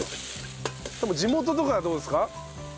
地元とかはどうですか？